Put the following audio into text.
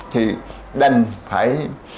thì đành phải